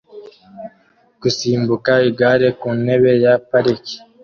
Gusimbuka igare ku ntebe ya parike